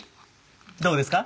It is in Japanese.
どうですか？